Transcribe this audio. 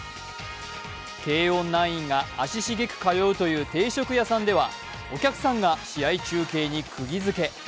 慶応ナインが足しげく通うという定食屋さんではお客さんが試合中継にくぎづけ。